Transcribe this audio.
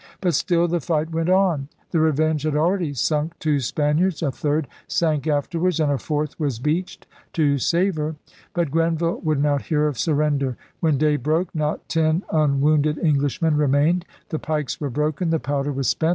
But still the fight went on. The Revenge had already sunk two Spaniards, a third sank afterwards, and a fourth was beached to save her. But Grenville would not hear of surrender. When day broke not ten unwounded Englishmen remained. The pikes were broken. The powder was spent.